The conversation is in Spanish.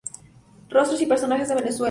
Rostros y personajes de Venezuela.